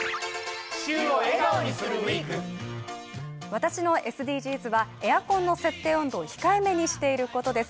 私のＳＤＧｓはエアコンの設定温度を控えめにしていることです。